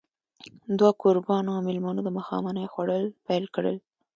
دوه کوربانو او مېلمنو د ماښامنۍ خوړل پيل کړل.